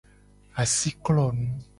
Asi klonu.